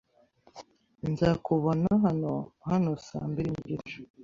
Nzakubona hano hano saa mbiri n'igice.